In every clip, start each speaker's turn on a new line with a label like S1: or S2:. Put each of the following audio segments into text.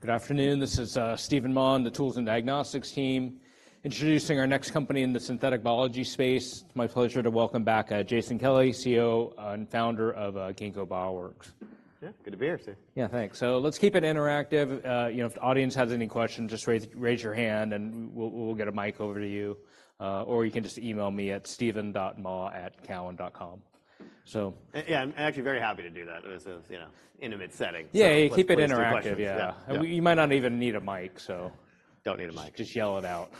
S1: Good afternoon. This is Steven Mah, the Tools and Diagnostics team, introducing our next company in the synthetic biology space. It's my pleasure to welcome back Jason Kelly, CEO and founder of Ginkgo Bioworks.
S2: Yeah. Good to be here, Steve.
S1: Yeah, thanks. So let's keep it interactive. You know, if the audience has any questions, just raise your hand and we'll get a mic over to you. Or you can just email me at steven.mah@tdcowen.com. So.
S2: Yeah, I'm actually very happy to do that. It was, you know, intimate setting, so.
S1: Yeah, yeah, keep it interactive.
S2: That's the question.
S1: Yeah, yeah. And you might not even need a mic, so.
S2: Don't need a mic.
S1: Just yell it out.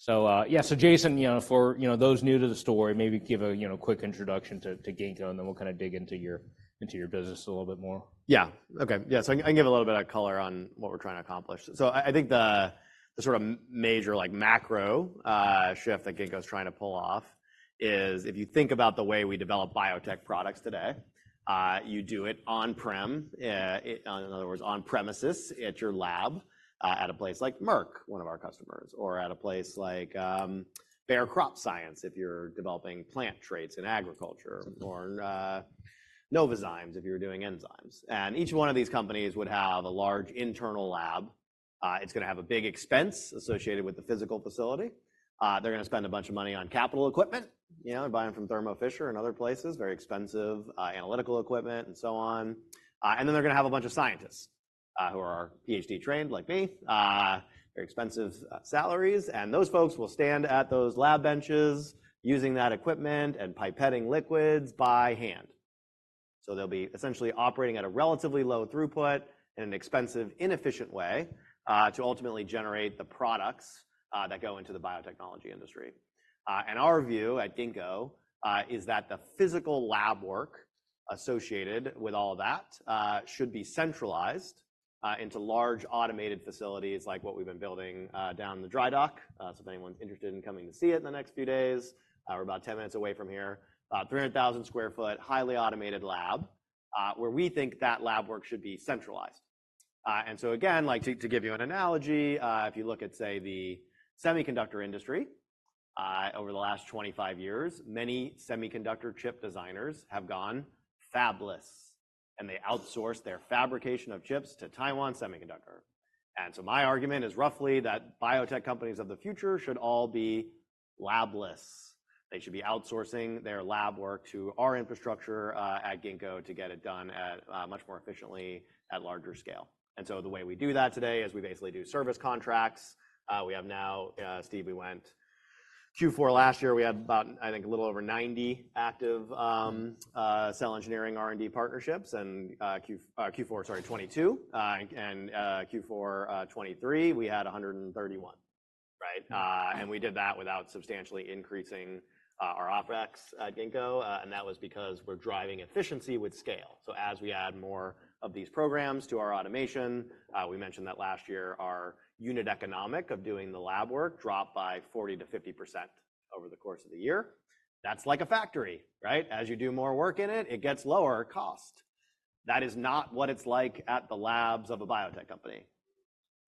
S1: So, yeah, so Jason, you know, for, you know, those new to the story, maybe give a, you know, quick introduction to Ginkgo, and then we'll kind of dig into your business a little bit more.
S2: Yeah. Okay. Yeah. So I can give a little bit of color on what we're trying to accomplish. So I, I think the, the sort of major, like, macro, shift that Ginkgo's trying to pull off is if you think about the way we develop biotech products today, you do it on-prem, in other words, on-premises at your lab, at a place like Merck, one of our customers, or at a place like Bayer Crop Science if you're developing plant traits in agriculture, or Novozymes if you're doing enzymes. And each one of these companies would have a large internal lab. It's gonna have a big expense associated with the physical facility. They're gonna spend a bunch of money on capital equipment, you know, buying from Thermo Fisher and other places, very expensive, analytical equipment and so on. Then they're gonna have a bunch of scientists, who are PhD trained, like me, very expensive salaries. And those folks will stand at those lab benches using that equipment and pipetting liquids by hand. So they'll be essentially operating at a relatively low throughput in an expensive, inefficient way, to ultimately generate the products that go into the biotechnology industry. And our view at Ginkgo is that the physical lab work associated with all of that should be centralized into large automated facilities like what we've been building down in the Drydock. So if anyone's interested in coming to see it in the next few days, we're about 10 minutes away from here, about 300,000 sq ft highly automated lab, where we think that lab work should be centralized. And so again, like, to, to give you an analogy, if you look at, say, the semiconductor industry, over the last 25 years, many semiconductor chip designers have gone fabless, and they outsource their fabrication of chips to Taiwan Semiconductor. And so my argument is roughly that biotech companies of the future should all be labless. They should be outsourcing their lab work to our infrastructure at Ginkgo to get it done much more efficiently at larger scale. And so the way we do that today is we basically do service contracts. We have now, Steve, we went Q4 last year, we had about, I think, a little over 90 active cell engineering R&D partnerships. And Q4, sorry, 2022, and Q4 2023, we had 131, right? And we did that without substantially increasing our OpEx at Ginkgo. And that was because we're driving efficiency with scale. So as we add more of these programs to our automation, we mentioned that last year our unit economics of doing the lab work dropped by 40% to 50% over the course of the year. That's like a factory, right? As you do more work in it, it gets lower cost. That is not what it's like at the labs of a biotech company.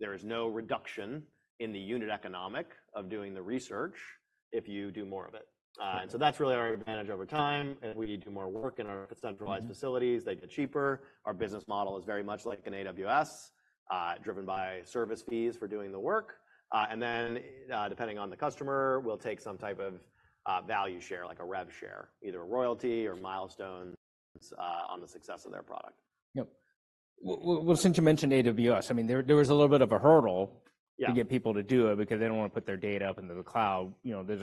S2: There is no reduction in the unit economics of doing the research if you do more of it. That's really our advantage over time. If we do more work in our centralized facilities, they get cheaper. Our business model is very much like an AWS, driven by service fees for doing the work. Depending on the customer, we'll take some type of value share, like a rev share, either a royalty or milestones, on the success of their product.
S1: Yep. Well, since you mentioned AWS, I mean, there was a little bit of a hurdle.
S2: Yeah.
S1: To get people to do it because they don't wanna put their data up into the cloud. You know, there's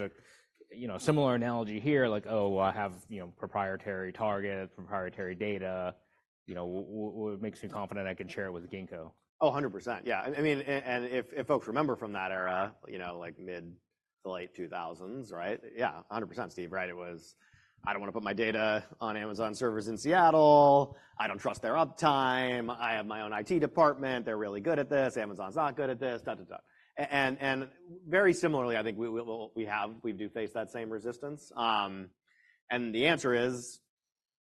S1: a, you know, similar analogy here, like, "Oh, I have, you know, proprietary targets, proprietary data. You know, what makes me confident I can share it with Ginkgo?
S2: Oh, 100%. Yeah. And I mean, and if folks remember from that era, you know, like mid to late 2000s, right? Yeah, 100%, Steve, right? It was, "I don't wanna put my data on Amazon servers in Seattle. I don't trust their uptime. I have my own IT department. They're really good at this. Amazon's not good at this," duh, duh, duh. And very similarly, I think we do face that same resistance. And the answer is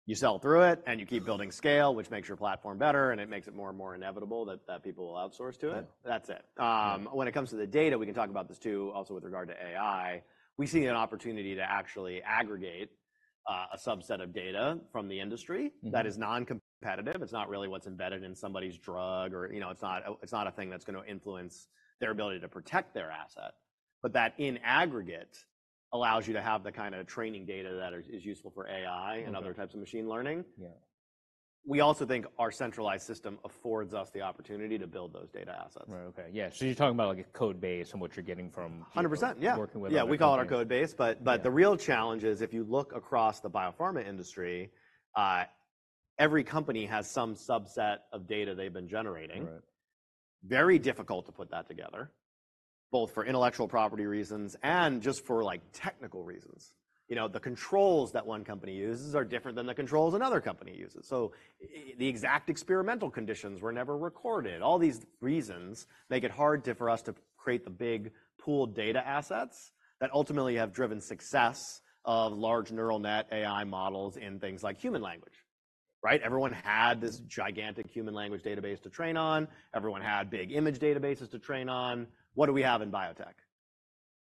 S2: you sell through it and you keep building scale, which makes your platform better, and it makes it more and more inevitable that people will outsource to it.
S1: Right.
S2: That's it. When it comes to the data, we can talk about this too also with regard to AI. We see an opportunity to actually aggregate, a subset of data from the industry. That is non-competitive. It's not really what's embedded in somebody's drug or, you know, it's not a thing that's gonna influence their ability to protect their asset. But that in aggregate allows you to have the kind of training data that is useful for AI.
S1: Yeah.
S2: And other types of machine learning.
S1: Yeah.
S2: We also think our centralized system affords us the opportunity to build those data assets.
S1: Right. Okay. Yeah. So you're talking about, like, a code base and what you're getting from Ginkgo.
S2: 100%. Yeah.
S1: Working with our.
S2: Yeah. We call it our Codebase. But the real challenge is if you look across the biopharma industry, every company has some subset of data they've been generating.
S1: Right.
S2: Very difficult to put that together, both for intellectual property reasons and just for, like, technical reasons. You know, the controls that one company uses are different than the controls another company uses. So the exact experimental conditions were never recorded. All these reasons make it hard for us to create the big pooled data assets that ultimately have driven success of large neural net AI models in things like human language, right? Everyone had this gigantic human language database to train on. Everyone had big image databases to train on. What do we have in biotech?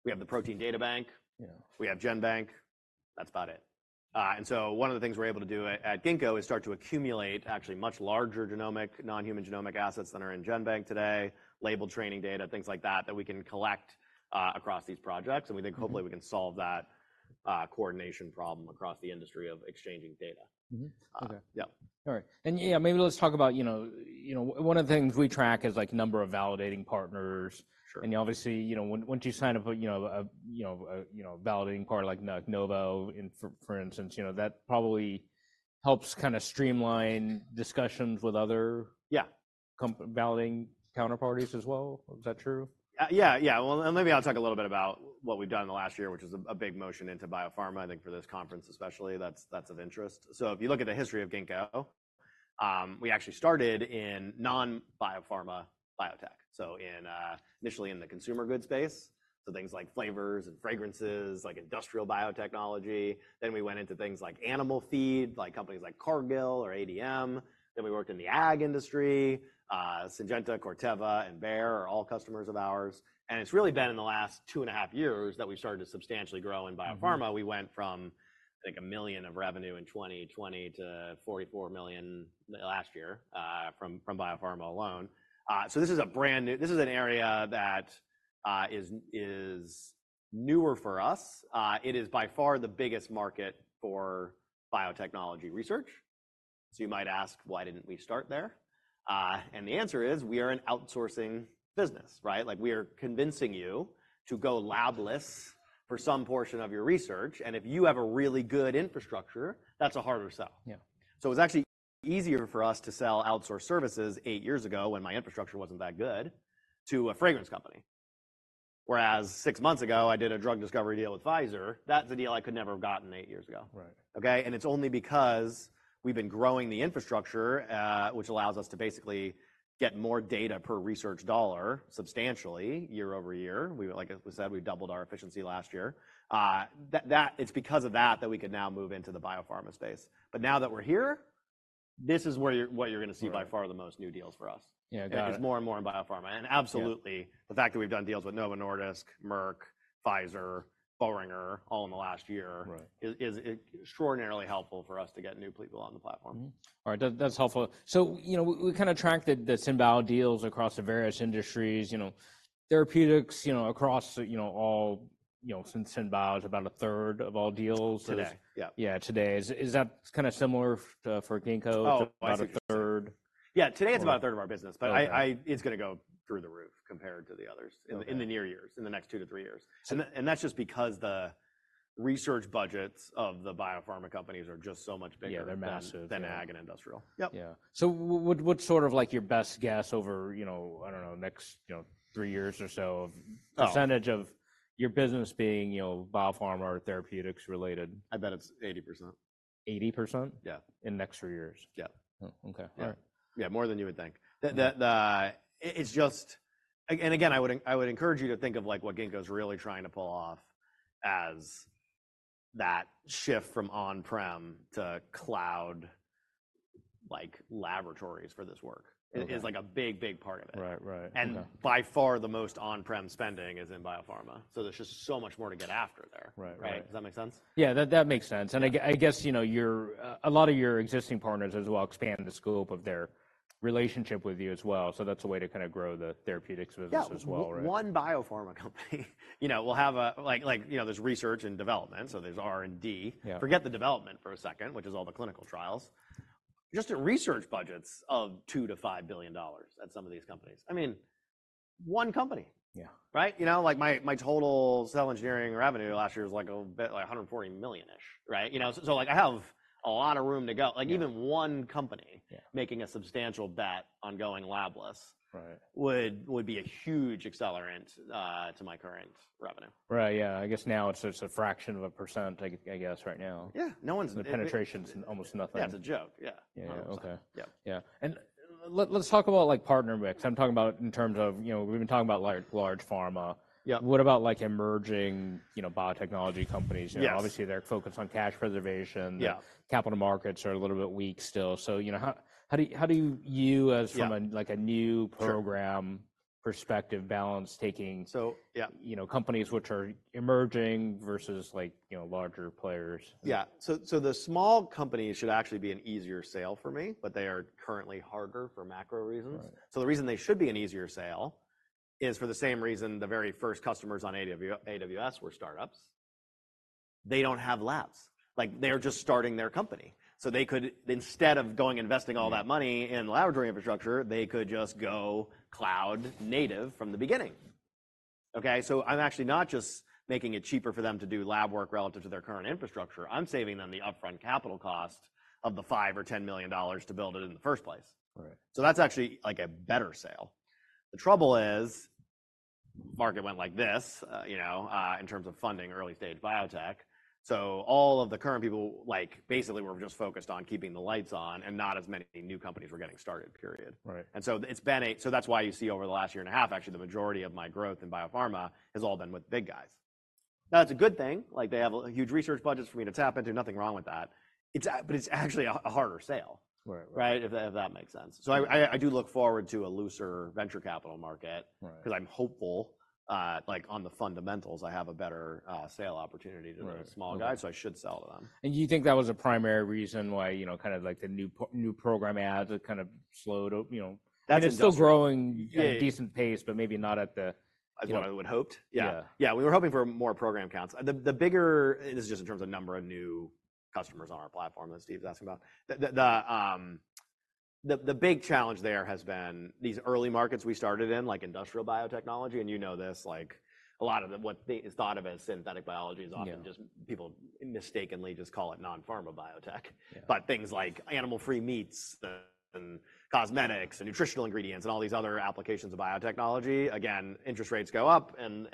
S2: We have the Protein Data Bank.
S1: Yeah.
S2: We have GenBank. That's about it. And so one of the things we're able to do at Ginkgo is start to accumulate actually much larger non-human genomic assets than are in GenBank today, labeled training data, things like that, that we can collect across these projects. And we think hopefully we can solve that coordination problem across the industry of exchanging data.
S1: Okay. Yep. All right. And yeah, maybe let's talk about, you know, you know, one of the things we track is, like, number of validating partners.
S2: Sure.
S1: You obviously, you know, once you sign up a validating partner like Novo, for instance, you know, that probably helps kind of streamline discussions with other.
S2: Yeah.
S1: Comp validating counterparties as well. Is that true?
S2: Yeah, yeah. Well, and maybe I'll talk a little bit about what we've done in the last year, which is a big motion into biopharma, I think, for this conference especially. That's of interest. So if you look at the history of Ginkgo, we actually started in non-biopharma biotech. So initially in the consumer goods space, so things like flavors and fragrances, like industrial biotechnology. Then we went into things like animal feed, like companies like Cargill or ADM. Then we worked in the ag industry. Syngenta, Corteva, and Bayer are all customers of ours. And it's really been in the last 2.5 years that we've started to substantially grow in biopharma. We went from, I think, $1 million of revenue in 2020 to $44 million last year, from biopharma alone. So this is a brand new area that is newer for us. It is by far the biggest market for biotechnology research. So you might ask, "Why didn't we start there?" and the answer is we are an outsourcing business, right? Like, we are convincing you to go labless for some portion of your research. And if you have a really good infrastructure, that's a harder sell.
S1: Yeah.
S2: It was actually easier for us to sell outsourced services 8 years ago when my infrastructure wasn't that good to a fragrance company. Whereas 6 months ago, I did a drug discovery deal with Pfizer. That's a deal I could never have gotten 8 years ago.
S1: Right.
S2: Okay? And it's only because we've been growing the infrastructure, which allows us to basically get more data per research dollar substantially year-over-year. We, like we said, we doubled our efficiency last year. That it's because of that that we can now move into the biopharma space. But now that we're here, this is where you're what you're gonna see by far the most new deals for us.
S1: Yeah. Got it.
S2: I think it's more and more in biopharma. And absolutely the fact that we've done deals with Novo Nordisk, Merck, Pfizer, Boehringer all in the last year.
S1: Right.
S2: It is extraordinarily helpful for us to get new people on the platform.
S1: All right. That's helpful. So, you know, we kind of tracked the SynBio deals across the various industries, you know, therapeutics, you know, across all, you know, SynBio is about a third of all deals today.
S2: Today. Yeah.
S1: Yeah, today. Is that kind of similar to for Ginkgo?
S2: Oh, obviously.
S1: About a third?
S2: Yeah. Today it's about a third of our business.
S1: Okay.
S2: But it's gonna go through the roof compared to the others.
S1: Yeah.
S2: In the near years, in the next 2 to 3 years. That's just because the research budgets of the biopharma companies are just so much bigger.
S1: Yeah. They're massive.
S2: Then ag and industrial. Yep.
S1: Yeah. So what, what's sort of like your best guess over, you know, I don't know, next, you know, three years or so of. Percentage of your business being, you know, biopharma or therapeutics related?
S2: I bet it's 80%.
S1: 80%?
S2: Yeah.
S1: In next three years?
S2: Yep.
S1: Okay. All right.
S2: Yeah. More than you would think. That it's just and again, I would encourage you to think of, like, what Ginkgo's really trying to pull off as that shift from on-prem to cloud, like, laboratories for this work.
S1: Yeah.
S2: It's, like, a big, big part of it.
S1: Right. Right. Okay.
S2: By far the most on-prem spending is in biopharma. There's just so much more to get after there.
S1: Right. Right.
S2: Does that make sense?
S1: Yeah. That makes sense. And I guess, you know, your, a lot of your existing partners as well expand the scope of their relationship with you as well. So that's a way to kind of grow the therapeutics business as well, right?
S2: Yeah. One biopharma company, you know, will have, like, you know, there's research and development, so there's R&D.
S1: Yeah.
S2: Forget the development for a second, which is all the clinical trials. Just at research budgets of $2 to 5 billion at some of these companies. I mean, one company.
S1: Yeah.
S2: Right? You know, like, my, my total cell engineering revenue last year was like a bit like $140 million-ish, right? You know, so, like, I have a lot of room to go.
S1: Yeah.
S2: Like, even one company.
S1: Yeah.
S2: Making a substantial bet on going labless.
S1: Right.
S2: Would be a huge accelerant to my current revenue.
S1: Right. Yeah. I guess now it's a fraction of a percent, I guess, right now.
S2: Yeah. No one's doing that.
S1: The penetration's almost nothing.
S2: That's a joke. Yeah.
S1: Yeah. Okay.
S2: Yeah.
S1: Yeah. And let's talk about, like, partner mix. I'm talking about in terms of, you know, we've been talking about large, large pharma.
S2: Yep.
S1: What about, like, emerging, you know, biotechnology companies?
S2: Yeah.
S1: You know, obviously they're focused on cash preservation.
S2: Yeah.
S1: Capital markets are a little bit weak still. So, you know, how do you as from a.
S2: Sure.
S1: Like, a new program perspective balance taking.
S2: So, yeah.
S1: You know, companies which are emerging versus, like, you know, larger players?
S2: Yeah. So, so the small companies should actually be an easier sale for me, but they are currently harder for macro reasons.
S1: Right.
S2: So the reason they should be an easier sale is for the same reason the very first customers on AWS were startups. They don't have labs. Like, they are just starting their company. So they could instead of going investing all that money in laboratory infrastructure, they could just go cloud native from the beginning. Okay? So I'm actually not just making it cheaper for them to do lab work relative to their current infrastructure. I'm saving them the upfront capital cost of the $5 or 10 million to build it in the first place.
S1: Right.
S2: So that's actually, like, a better sale. The trouble is the market went like this, you know, in terms of funding early-stage biotech. So all of the current people, like, basically were just focused on keeping the lights on and not as many new companies were getting started, period.
S1: Right.
S2: And so it's been, so that's why you see over the last year and a half, actually, the majority of my growth in biopharma has all been with big guys. Now, that's a good thing. Like, they have huge research budgets for me to tap into. Nothing wrong with that. It's, but it's actually a harder sale.
S1: Right. Right.
S2: Right? If that makes sense. So I do look forward to a looser venture capital market.
S1: Right.
S2: 'Cause I'm hopeful, like, on the fundamentals, I have a better sales opportunity to the small guys.
S1: Right.
S2: I should sell to them.
S1: You think that was a primary reason why, you know, kind of like the new program adds kind of slowed, oh, you know, and it's still growing.
S2: That's a good point.
S1: At a decent pace, but maybe not at the.
S2: As what I would hoped.
S1: Yeah.
S2: Yeah. We were hoping for more program counts. The bigger and this is just in terms of number of new customers on our platform that Steve's asking about. That, the big challenge there has been these early markets we started in, like industrial biotechnology. And you know this, like, a lot of the what they is thought of as synthetic biology is often just.
S1: Yeah.
S2: People mistakenly just call it non-pharma biotech.
S1: Yeah.
S2: But things like animal-free meats, the cosmetics, the nutritional ingredients, and all these other applications of biotechnology, again, interest rates go up and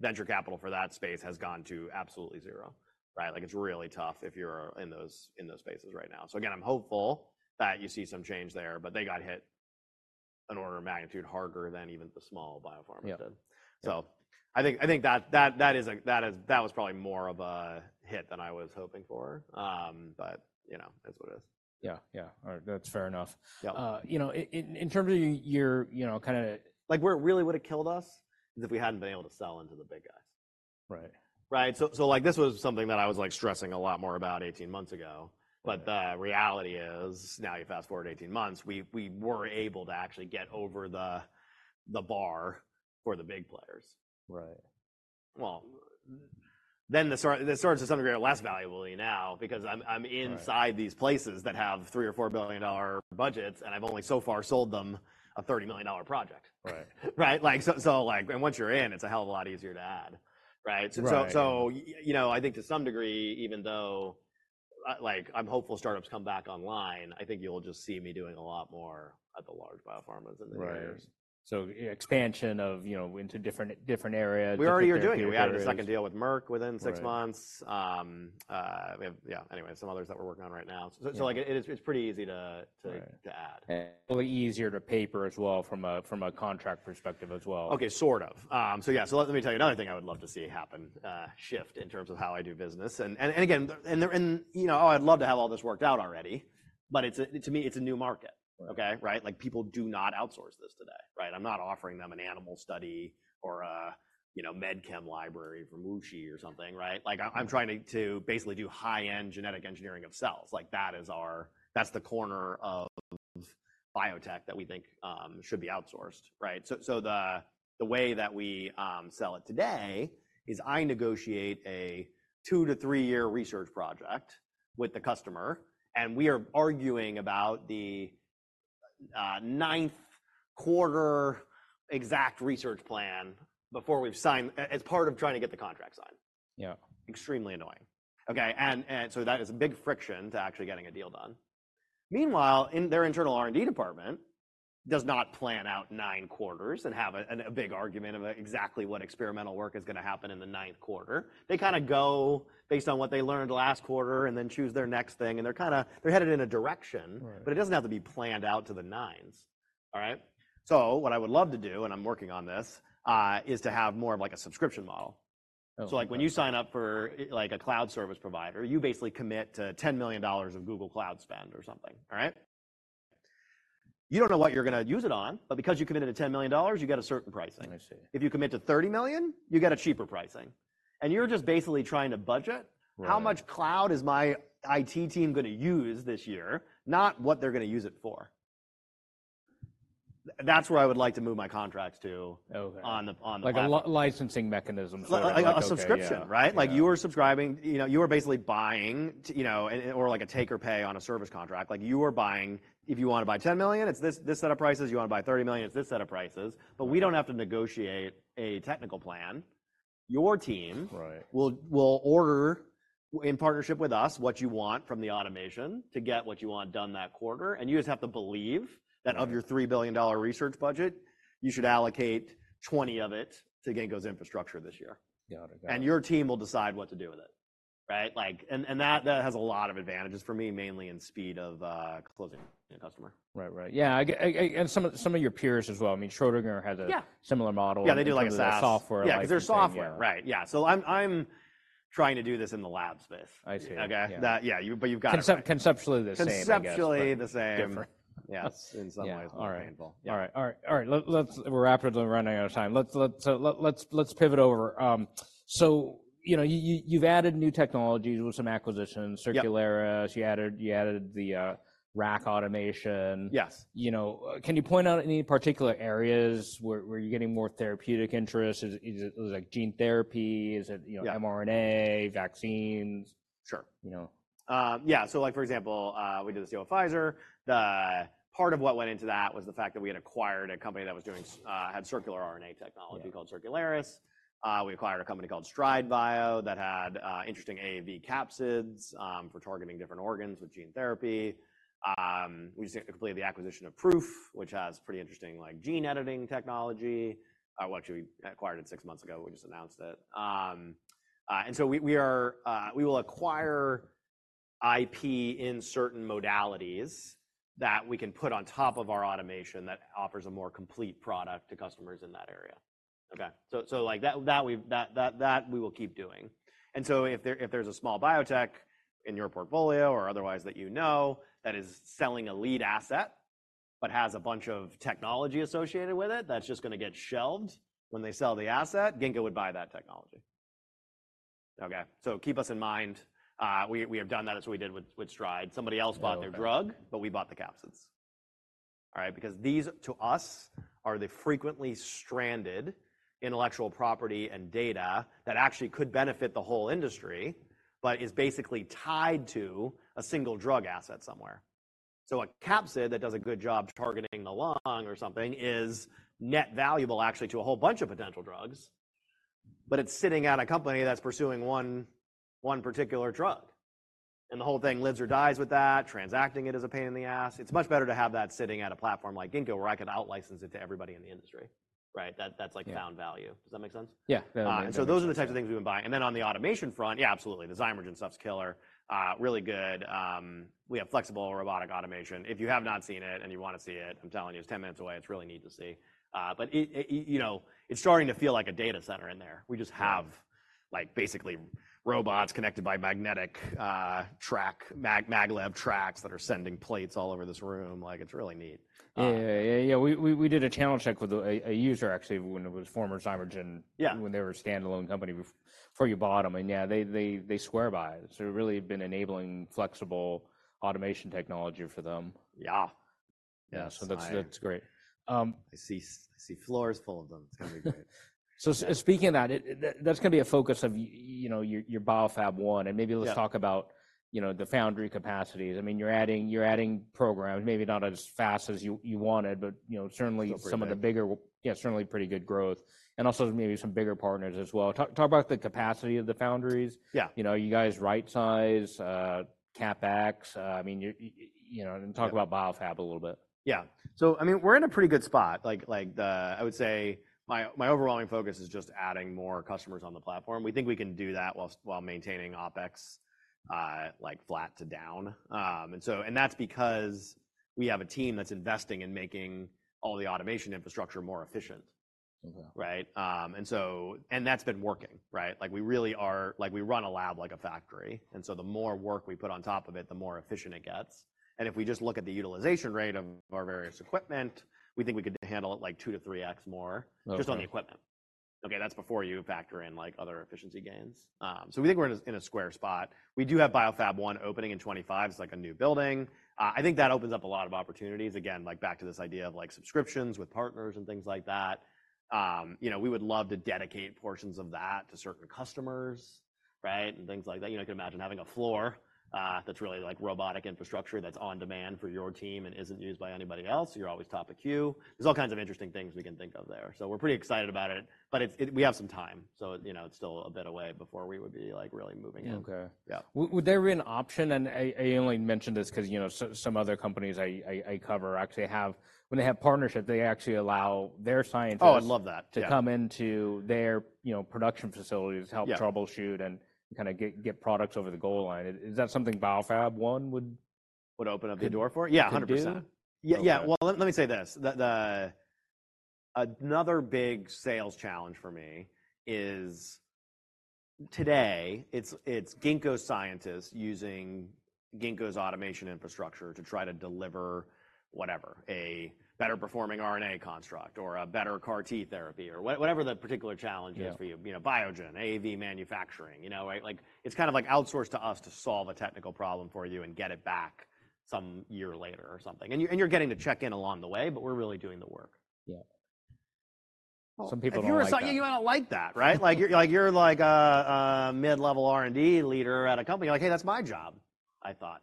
S2: venture capital for that space has gone to absolutely zero, right? Like, it's really tough if you're in those spaces right now. So again, I'm hopeful that you see some change there, but they got hit an order of magnitude harder than even the small biopharmas did.
S1: Yeah.
S2: So I think that that was probably more of a hit than I was hoping for. But, you know, that's what it is.
S1: Yeah. Yeah. All right. That's fair enough.
S2: Yep.
S1: You know, in terms of your, you know, kind of.
S2: Like, where it really would have killed us is if we hadn't been able to sell into the big guys.
S1: Right.
S2: Right? So, like, this was something that I was, like, stressing a lot more about 18 months ago.
S1: Right.
S2: But the reality is, now you fast forward 18 months, we were able to actually get over the bar for the big players.
S1: Right.
S2: Well, then this starts to some degree less valuably now because I'm inside these places that have $3 or 4 billion budgets, and I've only so far sold them a $30 million project.
S1: Right.
S2: Right? Like, so, and once you're in, it's a hell of a lot easier to add, right?
S1: Right.
S2: So, you know, I think to some degree, even though, like, I'm hopeful startups come back online, I think you'll just see me doing a lot more at the large biopharmas in the near years.
S1: Right. So, expansion of, you know, into different, different areas.
S2: We already are doing it. We added a second deal with Merck within six months.
S1: Right.
S2: We have yeah. Anyway, some others that we're working on right now. So, like, it is it's pretty easy to add.
S1: A little easier to paper as well from a contract perspective as well.
S2: Okay. Sort of. So yeah. So let me tell you another thing I would love to see happen, shift in terms of how I do business. And again, you know, oh, I'd love to have all this worked out already, but to me, it's a new market.
S1: Right.
S2: Okay? Right? Like, people do not outsource this today, right? I'm not offering them an animal study or a, you know, med chem library from WuXi or something, right? Like, I'm trying to basically do high-end genetic engineering of cells. Like, that is our that's the corner of biotech that we think should be outsourced, right? So, the way that we sell it today is I negotiate a 2 to 3-year research project with the customer, and we are arguing about the ninth quarter exact research plan before we've signed as part of trying to get the contract signed.
S1: Yeah.
S2: Extremely annoying. Okay? And so that is a big friction to actually getting a deal done. Meanwhile, in their internal R&D department does not plan out nine quarters and have a big argument of exactly what experimental work is gonna happen in the ninth quarter. They kind of go based on what they learned last quarter and then choose their next thing. And they're kind of headed in a direction.
S1: Right.
S2: But it doesn't have to be planned out to the nines, all right? So what I would love to do, and I'm working on this, is to have more of like a subscription model.
S1: Oh.
S2: So like, when you sign up for, like, a cloud service provider, you basically commit to $10 million of Google Cloud spend or something, all right? You don't know what you're gonna use it on, but because you committed to $10 million, you get a certain pricing.
S1: I see.
S2: If you commit to $30 million, you get a cheaper pricing. You're just basically trying to budget.
S1: Right.
S2: How much cloud is my IT team gonna use this year, not what they're gonna use it for? That's where I would like to move my contracts to.
S1: Okay.
S2: On the product.
S1: Like a licensing mechanism.
S2: Like a subscription, right? Like, you are subscribing, you know. You are basically buying, you know, and/or like a take-or-pay on a service contract. Like, you are buying. If you wanna buy $10 million, it's this—this set of prices. You wanna buy $30 million, it's this set of prices. But we don't have to negotiate a technical plan. Your team.
S1: Right.
S2: We'll order in partnership with us what you want from the automation to get what you want done that quarter. You just have to believe that of your $3 billion research budget, you should allocate $20 million of it to Ginkgo's infrastructure this year.
S1: Got it. Got it.
S2: Your team will decide what to do with it, right? Like, that has a lot of advantages for me, mainly in speed of closing a customer.
S1: Right. Right. Yeah. I and some of your peers as well. I mean, Schrödinger had a.
S2: Yeah.
S1: Similar model.
S2: Yeah. They do like a SaaS.
S1: Software, like.
S2: Yeah. 'Cause they're software.
S1: Yeah.
S2: Right. Yeah. So I'm trying to do this in the lab space.
S1: I see.
S2: Okay? That, yeah. But you've got to.
S1: Conceptually the same again.
S2: Conceptually the same.
S1: Different.
S2: Yes. In some ways.
S1: All right.
S2: More painful.
S1: Yeah. All right. Let's, we're rapidly running out of time. Let's pivot over. So, you know, you've added new technologies with some acquisitions. Circularis.
S2: Yes.
S1: You added the rack automation.
S2: Yes.
S1: You know, can you point out any particular areas where you're getting more therapeutic interest? Is it like gene therapy? Is it, you know.
S2: Yeah.
S1: mRNA, vaccines?
S2: Sure.
S1: You know?
S2: Yeah. So, like, for example, we did the CO Pfizer. The part of what went into that was the fact that we had acquired a company that had circular RNA technology called Circularis. We acquired a company called StrideBio that had interesting AAV capsids for targeting different organs with gene therapy. We just completed the acquisition of Proof, which has pretty interesting, like, gene editing technology. Well, actually, we acquired it 6 months ago. We just announced it. And so we will acquire IP in certain modalities that we can put on top of our automation that offers a more complete product to customers in that area. Okay? So, like, that we will keep doing. And so if there's a small biotech in your portfolio or otherwise that you know that is selling a lead asset but has a bunch of technology associated with it that's just gonna get shelved when they sell the asset, Ginkgo would buy that technology. Okay? So keep us in mind. We have done that as we did with StrideBio. Somebody else bought their drug, but we bought the capsids. All right? Because these, to us, are the frequently stranded intellectual property and data that actually could benefit the whole industry but is basically tied to a single drug asset somewhere. So a capsid that does a good job targeting the lung or something is net valuable actually to a whole bunch of potential drugs, but it's sitting at a company that's pursuing one particular drug. The whole thing lives or dies with that, transacting it is a pain in the ass. It's much better to have that sitting at a platform like Ginkgo where I could outlicense it to everybody in the industry, right? That, that's like found value. Does that make sense?
S1: Yeah. Yeah.
S2: And so those are the types of things we've been buying. And then on the automation front, yeah, absolutely. The Zymergen stuff's killer. Really good. We have flexible robotic automation. If you have not seen it and you wanna see it, I'm telling you, it's 10 minutes away. It's really neat to see. But it, you know, it's starting to feel like a data center in there. We just have. Like, basically robots connected by magnetic track maglev tracks that are sending plates all over this room. Like, it's really neat.
S1: Yeah. We did a channel check with a user actually when it was former Zymergen.
S2: Yeah.
S1: When they were a standalone company before you bought them. And yeah, they swear by it. So it really had been enabling flexible automation technology for them.
S2: Yeah.
S1: Yeah. So that's, that's great.
S2: I see floors full of them. It's gonna be great.
S1: So speaking of that, that's gonna be a focus of, you know, your Biofab1. And maybe.
S2: Yeah.
S1: Let's talk about, you know, the foundry capacities. I mean, you're adding programs, maybe not as fast as you wanted, but, you know, certainly.
S2: That's great.
S1: Some of the bigger, yeah, certainly pretty good growth. Also maybe some bigger partners as well. Talk about the capacity of the foundries.
S2: Yeah.
S1: You know, you guys' right size, CapEx. I mean, you're, you know, and talk about BioFab a little bit.
S2: Yeah. So I mean, we're in a pretty good spot. Like, I would say my overwhelming focus is just adding more customers on the platform. We think we can do that while maintaining OpEx, like, flat to down. And so that's because we have a team that's investing in making all the automation infrastructure more efficient.
S1: Okay.
S2: Right? And so that's been working, right? Like, we really are like, we run a lab like a factory. And so the more work we put on top of it, the more efficient it gets. And if we just look at the utilization rate of our various equipment, we think we could handle it like 2 to 3x more.
S1: Okay.
S2: Just on the equipment. Okay. That's before you factor in, like, other efficiency gains. So we think we're in a square spot. We do have Biofab1 opening in 2025. It's like a new building. I think that opens up a lot of opportunities. Again, like, back to this idea of, like, subscriptions with partners and things like that. You know, we would love to dedicate portions of that to certain customers, right, and things like that. You know, I can imagine having a floor that's really like robotic infrastructure that's on demand for your team and isn't used by anybody else. You're always top of queue. There's all kinds of interesting things we can think of there. So we're pretty excited about it. But it's, we have some time. So, you know, it's still a bit away before we would be, like, really moving in.
S1: Okay.
S2: Yeah.
S1: Would there be an option and I only mentioned this 'cause, you know, some other companies I cover actually have when they have partnership, they actually allow their scientists?
S2: Oh, I'd love that. Yeah.
S1: To come into their, you know, production facilities, help.
S2: Yeah.
S1: Troubleshoot and kinda get products over the goal line. Is that something BioFab1 would.
S2: Would open up the door for?
S1: Yeah.
S2: Yeah. 100%. Yeah. Well, let me say this. Another big sales challenge for me is today, it's Ginkgo scientists using Ginkgo's automation infrastructure to try to deliver whatever, a better performing RNA construct or a better CAR-T therapy or whatever the particular challenge is.
S1: Yeah.
S2: For you. You know, Biogen, AAV manufacturing, you know, right? Like, it's kind of like outsourced to us to solve a technical problem for you and get it back some year later or something. And you and you're getting to check in along the way, but we're really doing the work.
S1: Yeah.
S2: Some people don't like that.
S1: Like, you're a C.E.O., yeah, you might not like that, right? Like, you're like, you're like, mid-level R&D leader at a company. You're like, "Hey, that's my job," I thought.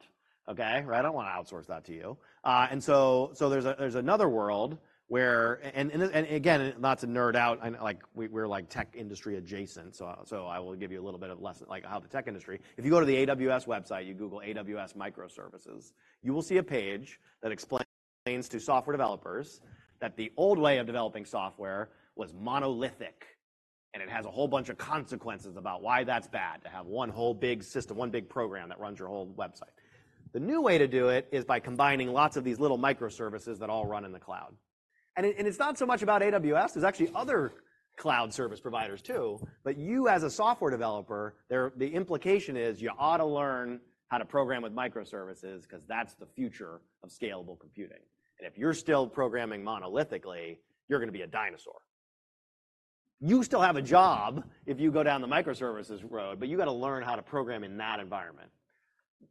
S1: Okay? Right? I don't wanna outsource that to you. And so, there's another world where and this and again, not to nerd out. I know like, we, we're like tech industry adjacent. So, I will give you a little bit of lesson like, how the tech industry if you go to the AWS website, you Google AWS Microservices, you will see a page that explains.
S2: Yeah.
S1: To software developers that the old way of developing software was monolithic, and it has a whole bunch of consequences about why that's bad to have one whole big system, one big program that runs your whole website. The new way to do it is by combining lots of these little microservices that all run in the cloud. And it's not so much about AWS. There's actually other cloud service providers too. But you, as a software developer, the implication is you ought to learn how to program with microservices 'cause that's the future of scalable computing. And if you're still programming monolithically, you're gonna be a dinosaur. You still have a job if you go down the microservices road, but you gotta learn how to program in that environment.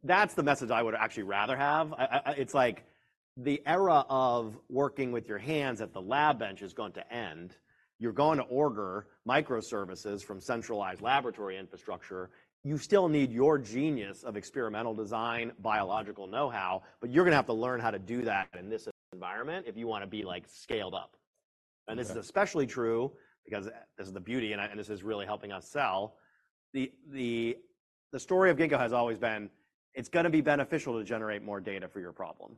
S1: That's the message I would actually rather have. It's like the era of working with your hands at the lab bench is going to end. You're going to order microservices from centralized laboratory infrastructure. You still need your genius of experimental design, biological know-how, but you're gonna have to learn how to do that in this environment if you wanna be, like, scaled up. And this is especially true because this is the beauty, and I and this is really helping us sell. The story of Ginkgo has always been, it's gonna be beneficial to generate more data for your problem,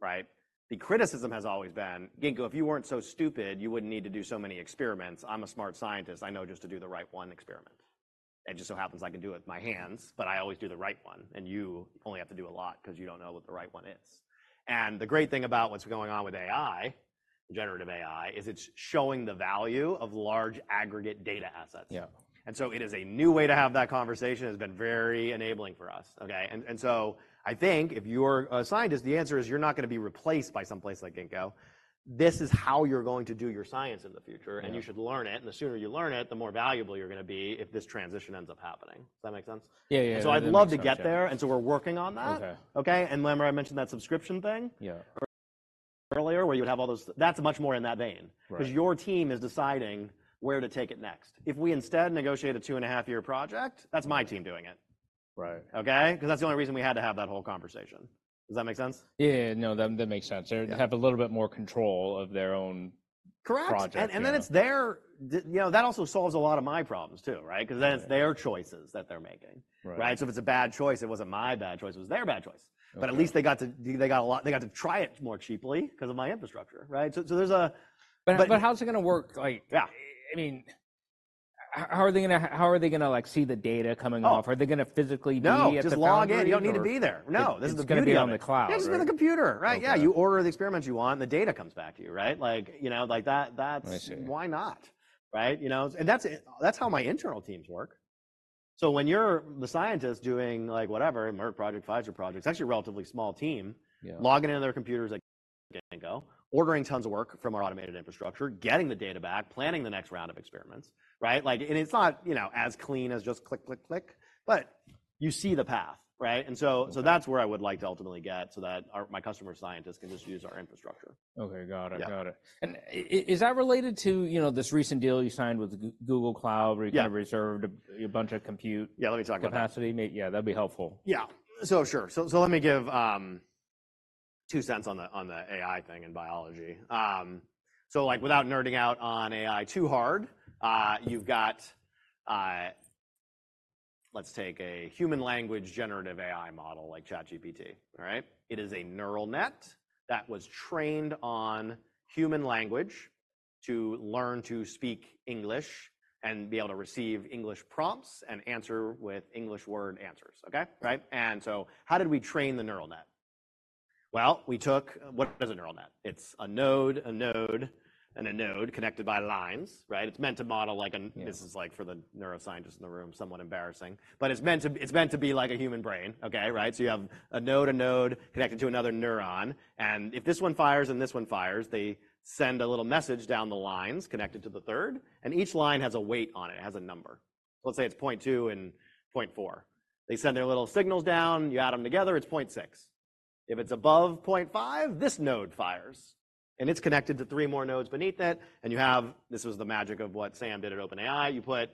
S1: right? The criticism has always been, "Ginkgo, if you weren't so stupid, you wouldn't need to do so many experiments. I'm a smart scientist. I know just to do the right one experiment." It just so happens I can do it with my hands, but I always do the right one. You only have to do a lot 'cause you don't know what the right one is. The great thing about what's going on with AI, generative AI, is it's showing the value of large aggregate data assets. Yeah.
S2: So it is a new way to have that conversation. It's been very enabling for us. Okay? And so I think if you're a scientist, the answer is you're not gonna be replaced by someplace like Ginkgo. This is how you're going to do your science in the future. You should learn it. The sooner you learn it, the more valuable you're gonna be if this transition ends up happening. Does that make sense?
S1: Yeah. Yeah. Yeah.
S2: I'd love to get there. We're working on that.
S1: Okay.
S2: Okay? And, Lemmer, I mentioned that subscription thing.
S1: Yeah.
S2: Earlier where you would have all those that's much more in that vein.
S1: Right.
S2: 'Cause your team is deciding where to take it next. If we instead negotiate a 2.5-year project, that's my team doing it.
S1: Right.
S2: Okay? 'Cause that's the only reason we had to have that whole conversation. Does that make sense?
S1: Yeah. No. That, that makes sense.
S2: Yeah.
S1: They're gonna have a little bit more control of their own.
S2: Correct.
S1: Project.
S2: Then it's their duty, you know, that also solves a lot of my problems too, right? 'Cause then it's their choices that they're making.
S1: Right.
S2: Right? So if it's a bad choice, it wasn't my bad choice. It was their bad choice.
S1: Okay.
S2: But at least they got to do a lot, they got to try it more cheaply 'cause of my infrastructure, right? So there's a.
S1: But how's it gonna work? Like.
S2: Yeah.
S1: I mean, how are they gonna, like, see the data coming off?
S2: No.
S1: Are they gonna physically be at the cloud?
S2: No. Just log in. You don't need to be there. No.
S1: It's gonna be on the cloud.
S2: Yeah. It's just on the computer, right? Yeah. You order the experiments you want, and the data comes back to you, right? Like, you know, like, that, that's.
S1: I see.
S2: Why not, right? You know, and that's how my internal teams work. So when you're the scientist doing, like, whatever, Merck project, Pfizer project, it's actually a relatively small team.
S1: Yeah.
S2: Logging into their computers like Ginkgo, ordering tons of work from our automated infrastructure, getting the data back, planning the next round of experiments, right? Like, and it's not, you know, as clean as just click, click, click, but you see the path, right? And so, so that's where I would like to ultimately get so that our customer scientists can just use our infrastructure.
S1: Okay. Got it. Got it.
S2: Yeah.
S1: Is that related to, you know, this recent deal you signed with Google Cloud where you kind of reserved?
S2: Yeah.
S1: A bunch of compute.
S2: Yeah. Let me talk about that.
S1: Capacity? Yeah. That'd be helpful.
S2: Yeah. So sure. So let me give two cents on the AI thing and biology. So like, without nerding out on AI too hard, you've got, let's take a human language generative AI model like ChatGPT, all right? It is a neural net that was trained on human language to learn to speak English and be able to receive English prompts and answer with English-word answers. Okay? Right? And so how did we train the neural net? Well, we took what is a neural net? It's a node, a node, and a node connected by lines, right? It's meant to model like an. This is like for the neuroscientists in the room, somewhat embarrassing. But it's meant to be like a human brain. Okay? Right? So you have a node, a node connected to another neuron. And if this one fires and this one fires, they send a little message down the lines connected to the third. And each line has a weight on it. It has a number. So let's say it's 0.2 and 0.4. They send their little signals down. You add them together. It's 0.6. If it's above 0.5, this node fires, and it's connected to three more nodes beneath it. And you have this was the magic of what Sam did at OpenAI. You put.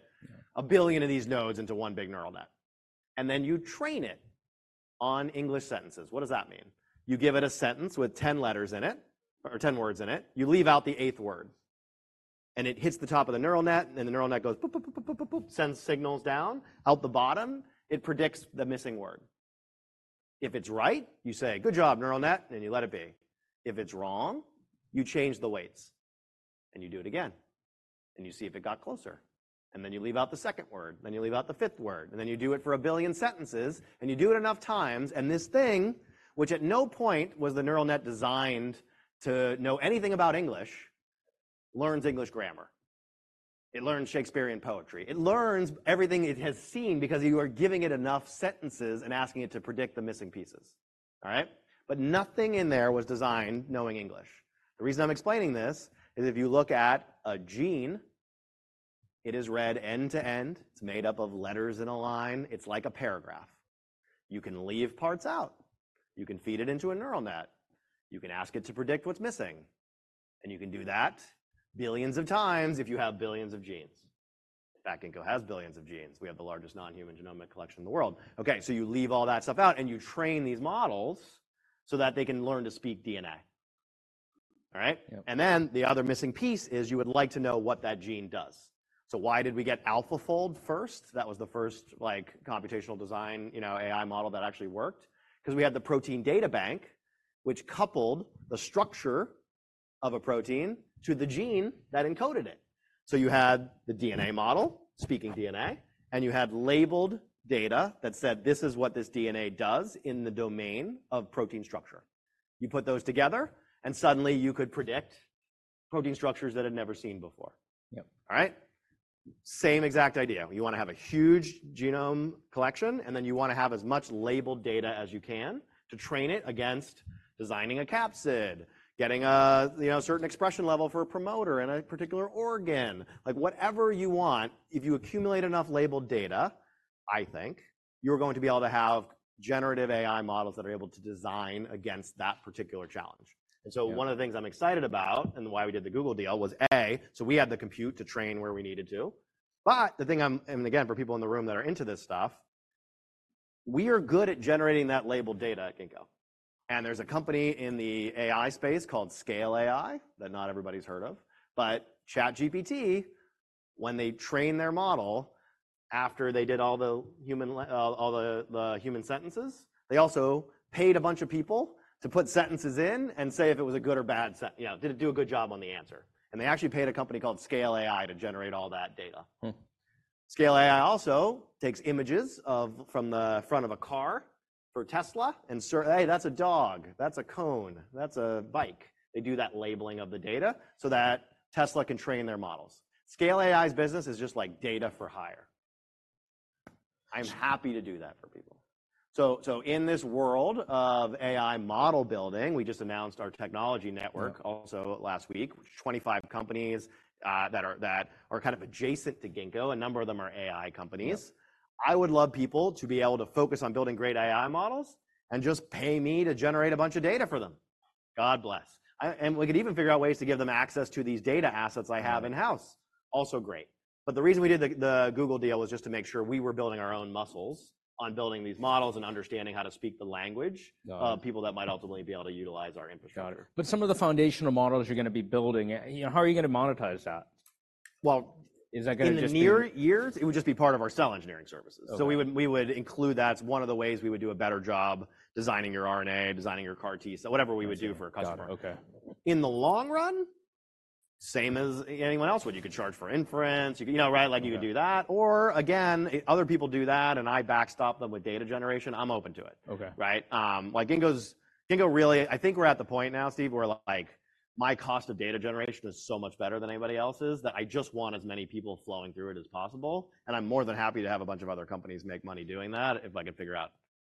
S2: 1 billion of these nodes into one big neural net. And then you train it on English sentences. What does that mean? You give it a sentence with 10 letters in it or 10 words in it. You leave out the eighth word, and it hits the top of the neural net, and then the neural net goes, boop, boop, boop, boop, boop, boop, sends signals down. Out the bottom, it predicts the missing word. If it's right, you say, "Good job, neural net," and you let it be. If it's wrong, you change the weights, and you do it again, and you see if it got closer. And then you leave out the second word. Then you leave out the fifth word. And then you do it for 1 billion sentences, and you do it enough times. And this thing, which at no point was the neural net designed to know anything about English, learns English grammar. It learns Shakespearean poetry. It learns everything it has seen because you are giving it enough sentences and asking it to predict the missing pieces, all right? But nothing in there was designed knowing English. The reason I'm explaining this is if you look at a gene, it is read end to end. It's made up of letters in a line. It's like a paragraph. You can leave parts out. You can feed it into a neural net. You can ask it to predict what's missing. And you can do that billions of times if you have billions of genes. In fact, Ginkgo has billions of genes. We have the largest non-human genomic collection in the world. Okay. So you leave all that stuff out, and you train these models so that they can learn to speak DNA, all right?
S1: Yeah.
S2: And then the other missing piece is you would like to know what that gene does. So why did we get AlphaFold first? That was the first, like, computational design, you know, AI model that actually worked. 'Cause we had the Protein Data Bank, which coupled the structure of a protein to the gene that encoded it. So you had the DNA model speaking DNA, and you had labeled data that said, "This is what this DNA does in the domain of protein structure." You put those together, and suddenly you could predict protein structures that had never seen before.
S1: Yeah.
S2: All right? Same exact idea. You wanna have a huge genome collection, and then you wanna have as much labeled data as you can to train it against designing a capsid, getting a, you know, certain expression level for a promoter in a particular organ. Like, whatever you want, if you accumulate enough labeled data, I think you're going to be able to have Generative AI models that are able to design against that particular challenge. And so.
S1: Yeah.
S2: One of the things I'm excited about and why we did the Google deal was, A, so we had the compute to train where we needed to. But the thing I'm and again, for people in the room that are into this stuff, we are good at generating that labeled data at Ginkgo. And there's a company in the AI space called Scale AI that not everybody's heard of. But ChatGPT, when they train their model after they did all the human sentences, they also paid a bunch of people to put sentences in and say if it was a good or bad sent you know, did it do a good job on the answer? And they actually paid a company called Scale AI to generate all that data. AI also takes images of from the front of a car for Tesla and says, "Hey, that's a dog. That's a cone. That's a bike." They do that labeling of the data so that Tesla can train their models. Scale AI's business is just like data for hire. I'm happy to do that for people. So, so in this world of AI model building, we just announced our technology network.
S1: Yeah.
S2: Also last week, which is 25 companies that are kind of adjacent to Ginkgo. A number of them are AI companies.
S1: Yeah.
S2: I would love people to be able to focus on building great AI models and just pay me to generate a bunch of data for them. God bless. I and we could even figure out ways to give them access to these data assets I have in-house. Also great. But the reason we did the, the Google deal was just to make sure we were building our own muscles on building these models and understanding how to speak the language.
S1: No.
S2: Of people that might ultimately be able to utilize our infrastructure.
S1: Got it. But some of the foundational models you're gonna be building, you know, how are you gonna monetize that?
S2: Well.
S1: Is that gonna just be?
S2: In the near years, it would just be part of our cell engineering services.
S1: Oh.
S2: So we would include. That's one of the ways we would do a better job designing your RNA, designing your CAR-T stuff, whatever we would do for a customer.
S1: Got it. Okay.
S2: In the long run, same as anyone else would. You could charge for inference. You could, you know, right? Like, you could do that. Or again, other people do that, and I backstop them with data generation. I'm open to it.
S1: Okay.
S2: Right? Like, Ginkgo's really, I think, we're at the point now, Steve, where, like, my cost of data generation is so much better than anybody else's that I just want as many people flowing through it as possible. And I'm more than happy to have a bunch of other companies make money doing that if I could figure out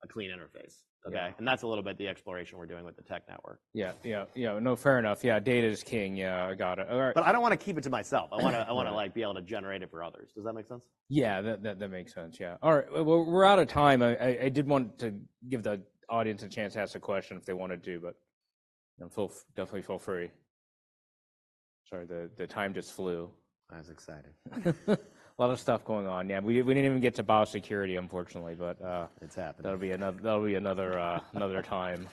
S2: a clean interface. Okay?
S1: Yeah.
S2: That's a little bit the exploration we're doing with the tech network.
S1: Yeah. Yeah. Yeah. No, fair enough. Yeah. Data is king. Yeah. I got it. All right.
S2: But I don't wanna keep it to myself. I wanna.
S1: Yeah.
S2: I wanna, like, be able to generate it for others. Does that make sense?
S1: Yeah. That makes sense. Yeah. All right. Well, we're out of time. I did want to give the audience a chance to ask a question if they wanted to, but I'm full. Definitely feel free. Sorry. The time just flew. I was excited. A lot of stuff going on. Yeah. We didn't even get to biosecurity, unfortunately, but, It's happening. That'll be another time.